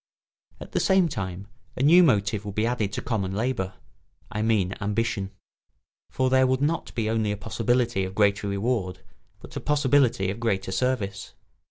At the same time a new motive would be added to common labour, I mean ambition. For there would be not only a possibility of greater reward but a possibility of greater service.